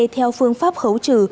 theo phương pháp khấu trừ